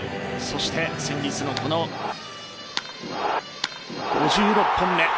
そして先日のこの５６本目。